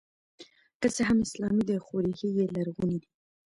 که څه هم اسلامي دی خو ریښې یې لرغونې دي